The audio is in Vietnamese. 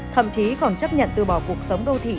thậm chí còn chấp nhận từ bỏ cuộc sống đô thị